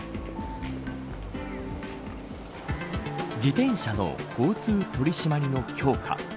自転車の交通取り締まりの強化。